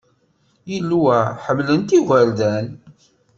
Ilew-a ḥemmlen-t igerdan.